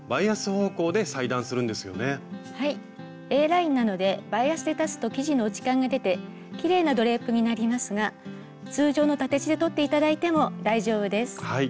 Ａラインなのでバイアスで裁つと生地の落ち感が出てきれいなドレープになりますが通常の縦地で取って頂いても大丈夫です。